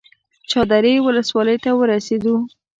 چادرې ولسوالۍ ته ورسېدو.